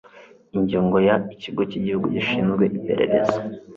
ingingo ya ikigo cy igihugu gishinzwe iperereza